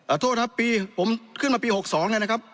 อันโทษนะครับผมขึ้นมาปี๖๒นะครับ